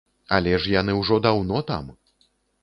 Але ж яны ўжо даўно там!